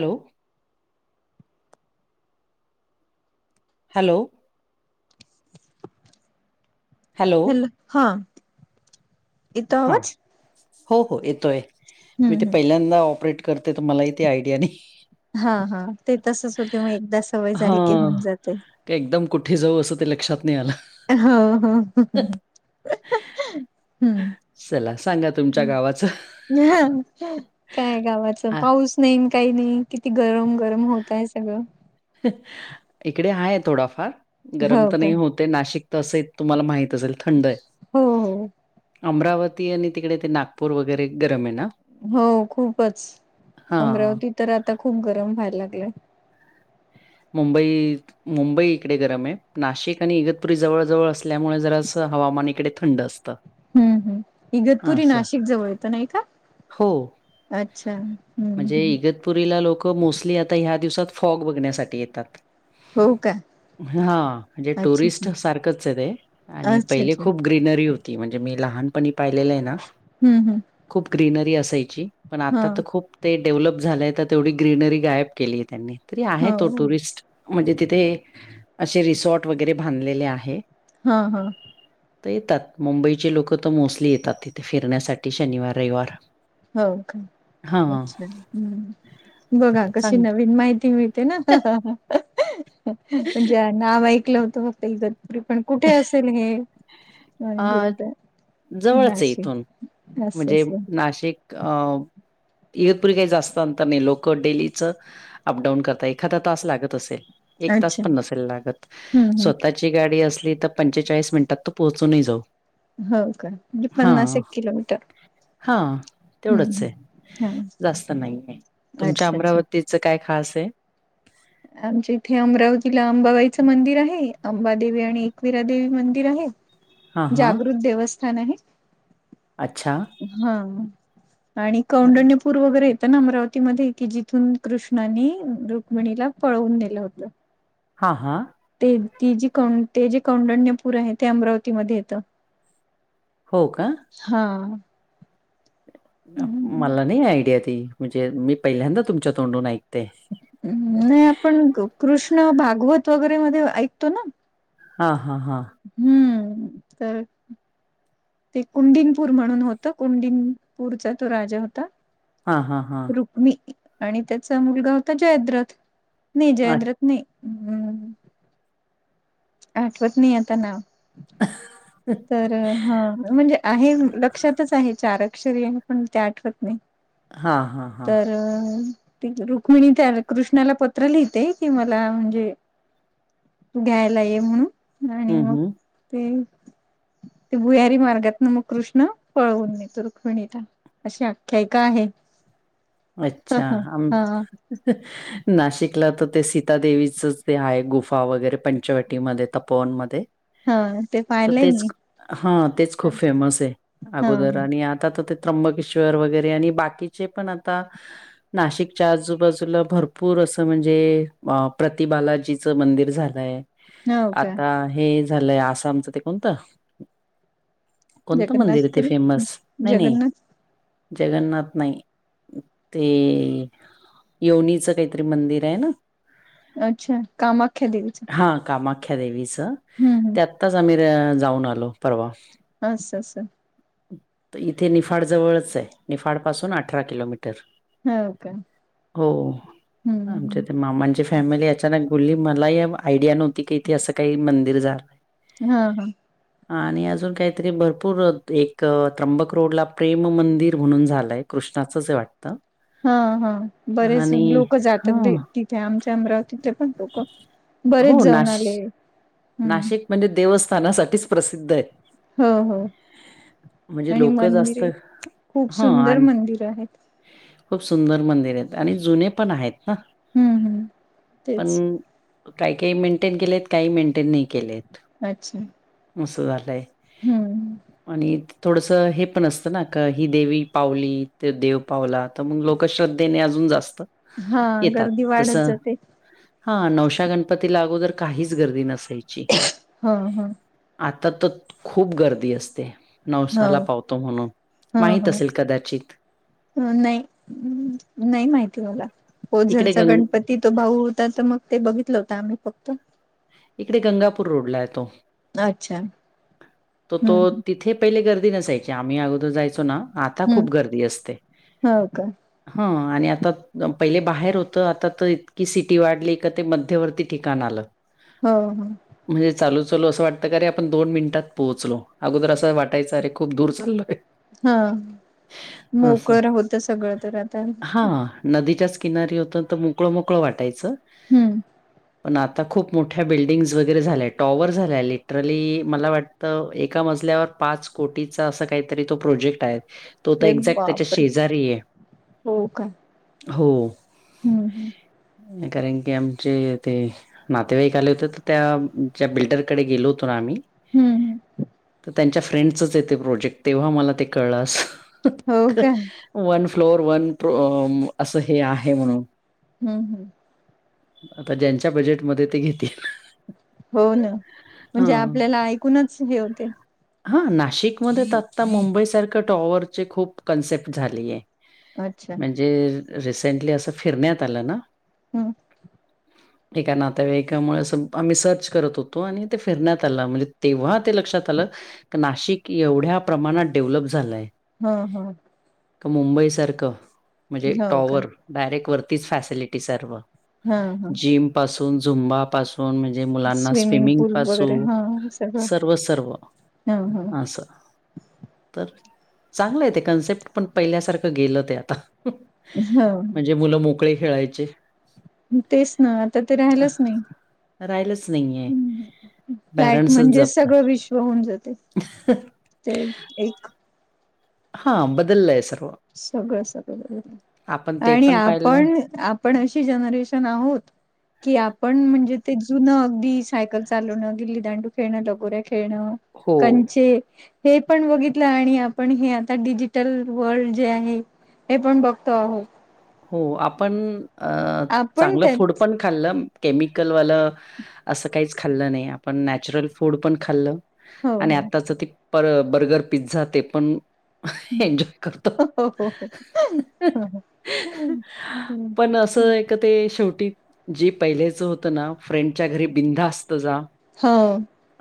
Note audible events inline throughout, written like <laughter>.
Hello. Hello. Hello. हा. येतो हा आवाज हो हो येतोय मी हम्म ते हम्म पहिल्यांदा ऑपरेट करते तर मलाही ते आयडिया नाही हा हा ते तसच होते मग एकदा सवय झाली की हां होऊन जाते एकदम कुठे जाऊ असं ते लक्षात नाही आलं हो हो. हम्म चला सांगा तुमच्या गावाचं ह काय गावाचं आ पाऊस नाही अन काही नाही किती गरम गरम होतय सगळं इकडे आहे थोडाफार गरम हो तर काय नाही होत. ते नाशिक तर अस आहे, तुम्हाला माहित असेल थंड आहे हो हो. अमरावती आणि तिकडे ते नागपूर वगैरे गरम आहे ना? हो खूपच. हां अमरावती तर आता खूप गरम व्हायला लागलय मुंबई मुंबई इकडे गरम आहे, नाशिक आणि इगतपुरी जवळ जवळ असल्यामुळे जरासं हवामान इकडे थंड असतं. हम्म हम्म इगतपुरी असं नाशिक जवळ येतं नाही का? हो. अच्छा हम्म हम्म. पुरीला लोक मोस्टली आता ह्या दिवसात फॉग बघण्यासाठी येतात. हो का हा म्हणजे अच्छा अच्छा टुरिस्ट सारखच आहे ते आणि अच्छा पहिले अच्छा खूप ग्रीनरी होती म्हणजे मी लहानपणी पाहिलेलं आहे ना. हम्म हम्. खूप ग्रीनरी असायची पण आता तर हा खूप ते डेव्हलप झालंय तर तेवढी ग्रीनरी गायब केली आहे त्यांनी तरी आहे तो हो टुरिस्ट म्हणजे तिथे असे रिसॉर्ट वगैरे बांधलेले आहे. हा हा. तर येतात मुंबईचे लोक तर मोस्टली येतात तिथे फिरण्यासाठी शनिवार रविवार. हो का. हां. अच्छा हम् बघा कशी चांगलं. नवीन माहिती मिळते ना. म्हणजे नाव ऐकलं होतं फक्त एक. पण कुठे असेल हे. अ माजत जवळच आहे नाशी इथून अस म्हणजे अस. नाशिक अ इगतपुरी काही जास्त अंतर नाही लोक डेलीच. अपडाऊन करता एखादा तास लागत असेल. एक तास अच्छा पण नसेल लागत हम्म हम्म स्वतःची गाडी असली तर पंचेचाळीस मिनिटात तो पोहोच. च नाही जाऊ. हो का म्हणजे हा पन्नास एक किलोमीटर. हा हम्म तेवढंच आहे हम्म. हा जास्त नाही आहे तुमच्या अच्छा अच्छा अमरावती. काय खास आहे. आमच्या इथे अमरावतीला अंबाबाईचं मंदिर आहे अंबादेवी आणि एकविरा देेवी मंदिर आहे. हा हा जागृत देवस्थान आहे. अच्छा. हा आणि कौंड्य. पूर वगैरे येतं ना अमरावतीमध्येध्ये कि जिथून कृष्णानी रुक्मिणीला पळवून दिलं होत. <inaudible> हां हां. ते ती जीौ ते जे कौंडण्यपूर आहे ते अमरावतीमध्ये येतं. हो का. हा. मला नाही आयडिया ती म्हणजे मी पहिल्यांदा तुमच्या तोंडून ऐकते. नाही आपण कृष्ण भागवत वगैरे मध्ये ऐकतो ना. हा हा हां. हम्म तर. ते कुंडिनपूर म्हणून होतं कुंडिनपूरचा तो राजा होता. हा हा हा. मी आणि त्याचा मुलगा होता जयद्रथ नाही जयद्रथ नाही्. आठवत नाही आता नाव. ह. तर हा म्हणजे आहे लक्षातच आहे चार अक्षरी आहे पण ते आठवत नाही. हा हा हा तर. रुक्मिणी त्या कृष्णाला पत्र लिहिते कि मला म्हणजे. घ्यायला ये म्हणून आणि हम्म मग हम्म ते. ते भुयारी मार्गात ना मग कृष्ण पळवून देतो रुक्मिणीला. अशी आख्यायिका आहे. ह अच्छा ह आ. हा नाशिकला तर ते सीतादेवीचच ते आहे गुफा वगैरे पंचवटीमध्ये तपोवनमध्येध्ये. हा ते. तर पाहिलंय तेच मी हा तेच खूप फेमस आहे हा अगोदर आणि आता तर ते. त्र्यंबकेश्वर वगैरे आणि बाकीचे पण आता. नाशिकच्या आजूबाजूला भरपूर असं म्हणजे प्रतिबालाजीचं मंदिर झालंय. हा हो का आता हे झालंय आसामचं ते कोणतं. कोणतं मंदिर आहे ते जगन्नाथपुरी फेमस नाही नाही जगन्नाथ जगन्नाथ नाही. ते यवनीचं काहीतरी मंदिर आहे ना. अच्छा काम आख्या देवीच. हां कामाख्या देवीचं. हु हु. आताच आम्ही जाऊन आलो परवा. असं असं इथे निफाड जवळच आहे निफाड पासून अठरा किलोमीटर. हो का गो हम्म आमच्या हम् ते मामाजेस. फॅमिली अचानक बोलली मलाही आयडिया नव्हती की इथे असं काही मंदिर जाणार. हा हा. आणि अजून काहीतरी भरपूर एक त्र्यंबक रोडला प्रेम मंदिर म्हणून झालंय. कृष्णाचं जे वाटतं. हा हा बरेच आणि लोक हा जातात भेटीला आमच्या अमरावतीथे पण. बरेच हो जाऊन नाश आले. हम्म नाशिक म्हणजे देवस्थानासाठीच प्रसिद्ध आहे. हो हो म्हणजे आणि लोक जास्त मंदिरे खूप ह सुंदर आणि मंदिर आहेत. खूप सुंदर मंदिर आहेत आणि जुने पण आहेत ना हम्म हम्म तेच पण काही काही मेंटेन केलेत काही मेंटेन नाही केलेत. अच्छा! मसू जात आहे. हम्म आणि थोडंसं हे पण असतं ना का ही देवी पावली ते देव पावला मग लोक श्रद्धेने अजून जास्त. हा येतात गर्दी जस वाढत जाते हा नवशा गणपतीला अगोदर काहीच गर्दी नस याची हा हा. आता त खूप गर्दी असते. हो नवसाला पावतो म्हणून माहित असेल कदाचित नाही् नाही माहिती मला. इकडे ओझरचा गंग गणपती तो भाऊ होता त मग ते बघितलं होता आम्ही फक्त. इकडे गंगापूर रोडला आहे तो अच्छा त तो हम्म हम्म तिथे. पहिले गर्दी नसायची आम्ही अगोदर जायचो ना आता हम्म. खूप गर्दी असते. हो का हा आणि आता पहिले बाहेर होतं आता त इतकी सिटी वाढली का ते मध्यवर्ती ठिकाण आलं. हम् ह म्हणजे चालू चालू असं वाटतं का अरे आपण दोन मिनिटात पोहोचलो अगोदर असं वाटायचं अे खूप दूर चालोरे. हा मोकळ होत सगळ तर आता. हां, नदीच्याच किनारी होत तर मोकळ मोकळ वाटायचं. हम्म पण आता खूप. मोठ्या बिल्डिंग्ज वगैरे झाल्या टॉवर झाल्या लिटरली मला वाटत एका मजल्यावर पाच. कोटीचा अस काहीतरी तो प्रोजेक्ट आहे. तो तर अरे एक्झॅक्ट त्याच्या बापर शेजारी आहे हो. ह ह कारण की आमचे ते नातेवाईक आले होते तर त्या ज्या बिल्डरकडे गेलो होतो ना आम्ही.. ह् ह्. तर त्यांच्या फ्रेंडच येते प्रोजेक्ट तेव्हा मला ते कळस. हो का वन फ्लोर वन प्रो असं हे आहे म्हणून हम्म हूं - आता ज्यांच्या बजेटमध्ये ते घेतील. हो ना हा म्हणजे आपल्याला ऐकूनच हे होते. हा नाशिकमध्ये त आता मुंबईसारख्या टॉवरचे खूप कॉन्सेप्ट झालीये. अच्छा जे र रिसेंटली असं फिरण्यात आलं ना हं ठीकाणात त्याव एकामुळे असं आम्ही सर्च करत होतो आणि ते फिरण्यात आलं म्हणजे तेव्हा ते लक्षात आलं का नाशिक एवढ्या प्रमाणात डेव्हलप झालाय. हं हं का मुंबई सारख मजे हो का टॉवर डायरेक्ट वरतीच फॅसिलिटी सर्व हा हा जिम पासून झुंबापासू सून म्हणजे मुलांना स्विमिंग पूल पासू वगैरे सर्व सर्व हं हं असं तर चांगलं आहे ते कन्सेप्ट पण पहिल्यासारखं गेलं ते आता जावून म्हणजे मुलं मोकळे खेळायचे म तेच ना आता ते राहीलच नाही राहिलंच नाहीये हूं हूं फ्लॅट पॅरेंट्सच म्हणजे जपता सगळं विश्व होऊन जातय ते एक हा बदललाय सर्व सगळं सगळं आपण बदलय ते आणि पण पाहिलंय आपण आप पण अशी जनरेशन आहोत. की आपण म्हणजे ते जुनं अगदी सायकल चालवणं, गिल्लीदांडू खेळणं, लगोऱ्या खेळणं हो, कंचे हे पण बघितलं आणि आपण हे आता डिजिटल वर्ल्ड जे आहे हे पण बघतो आहो हो आपण अ आपण चांगलं फूड त्याच पण खाल्लं केमिकल वाल असं काहीच खाल्लं नाही आपण नॅचरल फूड पण खाल्लं हो आणि हो आत्ताच ते पर बर्गर पिझ्झा ते पण हं एन्जॉय करतो. हो हो हो हो पण असं एक त ते शेवटी जे पहिल्याच होतं ना फ्रेंडच्या घरी बिंधास्त जा हो.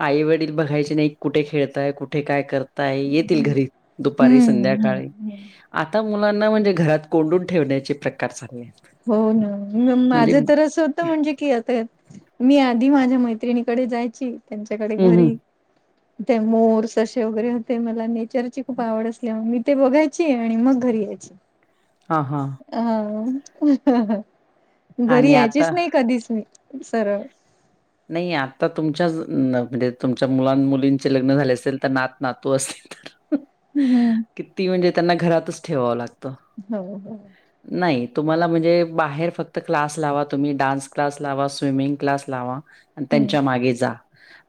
आई वडील बघायचे नाही कुठे खेळताय कुठे काय कर काय येतील घरी दुपारी हम्म संध्याकाळी हम्म आता मुलांना म्हणजे घरात कोंडूनं ठेवण्याचे प्रकार चालेत. हो ना हो माझ तर असं त म्हणजे की आता मी आधी माझ्या मैत्रिणीकडे जायची त्यांच्याकडे हं, हं. घरी <unintelligible> ते मोर, ससे वगैरे होते मला नेचरची खूप आवड असल्यामुळे मी ते बघायची आणि मग घरी यायच <inaudible> हा हा आ घरी आणि आता यायचीच नाही कधीच मी सरळ नाही आता तुमच्याच म्हणजे तुमच्या मुलां मुलींचे लग्न झाले असेल त नात नातू असतील तर <unintelligible> किती म्हणजे त्यांना घरातच ठेवावं लागतं. हो हो. नाही तुम्हाला म्हणजे बाहेर फक्त क्लास लावा. तुम्ही डान्स क्लास लावा. स्विमिंग क्लास लावा. आणि हम्म त्यांच्या मागे जा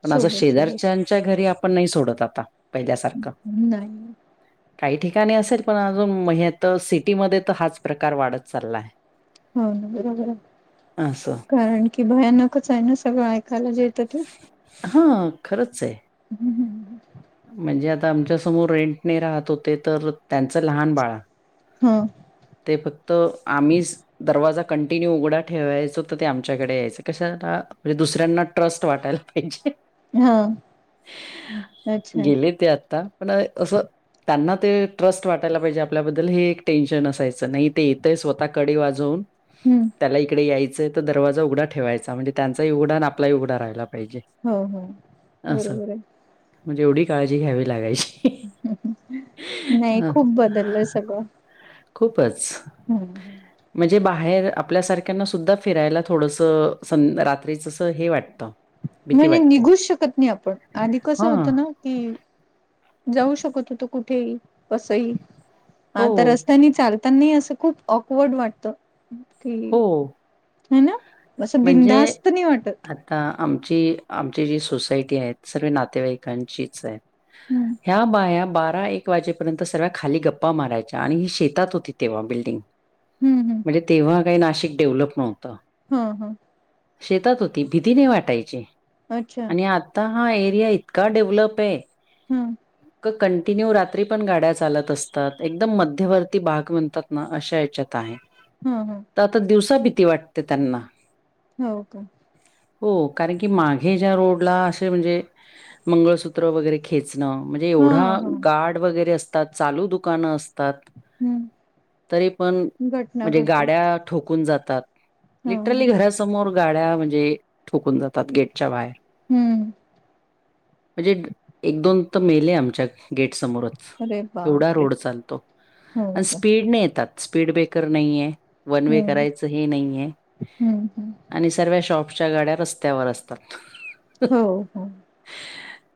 पण असं सोबत सोबत शेजारच्याच्या घरी आपण नाही सोडत आता. पहिल्यासारखा. नाही काही ठिकाणी असेल पण अजून म यत सिटीमध्ये तर हाच प्रकार वाढत चाललाय. हो ना बरोबर हाय, असं. कारण की भयानकच आहे न सगळं ऐकायला जे येत ते. हा खरंच आहे. हम्म हम्. म्हणजे आता आमच्या समोर रेंटने राहत होते तर त्यांचं लहान बाळ हा. ते फक्त आम्हीस दरवाजा कंटिन्यू उघडा ठेवायचो तर ते आमच्याकडे यायचं कशाला म्हणजे दुसऱ्यांना ट्रस्ट वाटायला पाहिजे, हा अच्छा गेले ते आता. पण असं त्यांना ते ट्रस्ट वाटायला पाहिजे आपल्याबद्दल हे एक टेन्शन असायचं नाही ते येतंय स्वतः कडी वाजवून. हम्म त्याला इकडे यायचं तर दरवाजा उघा ठेवायचा म्हणजे त्यांचाही उघडा आणि आपलाही उघा राहिला पाहिजे. हो हो, असं बरोबर आहे. म्हणजे एवढी काळजी घ्यावी लागायची. नाही ह खूप बदललंय सगळं. खूपच. <unintelligible> म्हणजे बाहेर आपल्यासारख्यांना सुद्धा फिरायला थोडसं सं रात्रीचस हे वाटतं. भीती म्हणे वाटते. निघूच शकत नाही आपण आधी कसं हां. होतं ना. कि, जाऊ शकत होतो कुठेही, कसही. हा हो, तर रस्त्यानी चालता नाही असं खूप ऑकवर्ड वाटत. ती, हो. हाय ना. असं म्हणजे, बिंधास्त नाही वाटत आ आता आमची आमची जी सोसायटी आहे सर्व नातेवाईकांचीच आहे. हम्म ह्या बाया बारा एक एक वाजेपर्यंत सगळ्या खाली गप्पा मारायच्या आणि ही शेतात होती तेव्हा बिल्डिंग. हम्म हम्म. म्हणजे तेव्हा काही नाशिक डेव्हलप नव्हतं. हा हा. शेतात होती भीती नाही वाटायची, अच्छा आणि आता हा एरिया इतका डेव्हलप आहे. हम्म. कंटिन्यू रात्री पण गाड्या चालत असतात एकदम मध्यवर्ती बाग म्हणतात ना अशा याच्यात आहे. हम् हम्. तर आता दिवसा भीती वाटते त्यांना. हो का. हो कारण की माघे ज्या रोडला असे म्हणजे मंगळसूत्र वगैरे खेचण. म्हणजे हा एवढा हा गार्ड वगैरे असतात चालू दुकानं असतात. हम्म. तरी पण, घटना म्हणजे घडतात गाड्या ठोकून जातात, ह लिटरली ह घरासमोर गाड्या म्हणजे, ठोकून जातात गेट च्या बाहेर, हम्म म्हणजे, एक दोन तर मेले आमच्या गेट समोरच, अरे एवढा बापरे रोड चालतो, हो आणि का स्पीड न येतात. स्पीड ब्रेकर नाहीय, वन वे हम्म करायचं हे नाही आहे. हम्म हम्म आणि सर्व्या शॉपच्या गाड्या रस्त्यावर असतात. हो हो.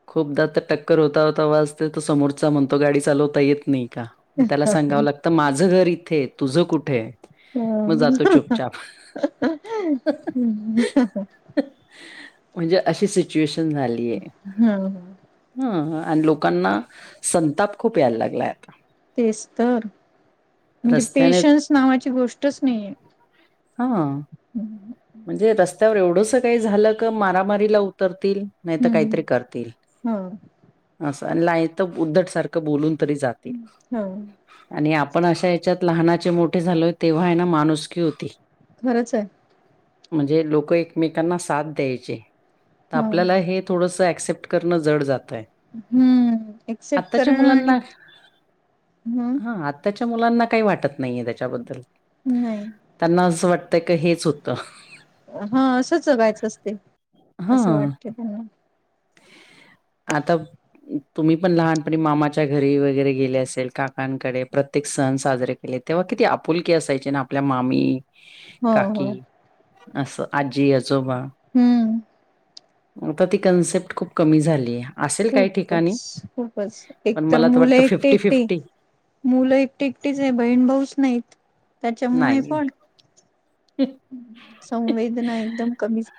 खूपदा तर टक्क क्कर होता होता वाजत समोरचा म्हणतो गाडी चालवता येत नाही का, म त्याला सांगावं लाग तर माझं घर इथे तुझं कुठे आहे? मग जातो चुपचाप हा हा. म्हणजे अशी सिच्युएशन झालीये. हं ह. ह आणि लोकांना संताप खूप यायला लागलाय आता तेच तर म्हणजे रस्त्याने पेशन्स नावाची गोष्टच नाहीेये. हा. अहं. म्हणजे रस्त्यावर एवढंस काही झालं क मारामारीला उतरतील. नाही तर काहीतरी हम्म करतील हो असं नाही तर उद्धट सारख बोलून तरी जातील. हो आणि आपण अशा ह्याच्यात लहानाचे मोठे झालोय तेव्हा आहे ना माणुसकी होती. खरंच आहे. म्हणजे लोक एकमेकांना साथ द्यायचे तर हो आपल्याला हे. थोडस ऍक्सेप्ट करणं जड जात आहे. हम्म एक्सेप्ट करणं आणि हम्. त्याच्या मुलांना काही वाटत नाहीये त्याच्याबद्दल नाही. त्यांना असं वाटतंय का हेच होतं. हा असंच बायच असते असं हां. वाटते त्यांना आता तुम्ही पण लहानपणी मामाच्या घरी वगैरे गेले असेल काकांकडे प्रत्येक सण साजरे तेव्हा किती आपुलकी असायचे ना आपल्या मामी हो काकी हो असं आजी आजोबा हम्म आता ती कन्सेप्ट खूप कमी झालीया. खूपच खूपच एक पण तर मला मुलं वाटतं एकटी फिफ्टी एकटी फिफ्टी मुलं एकटी एकटीच आहे बहीण भाऊच नाहीत त्याच्यामुळे नाही पण संवेदना एकदम कमीच